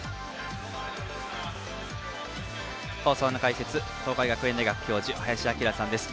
放送の解説、東海学園大学教授林享さんです。